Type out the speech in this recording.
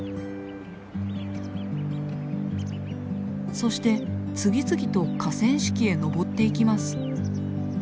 そして次々と河川敷へのぼっていきます。